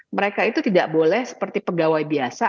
mereka itu tidak boleh seperti pegawai biasa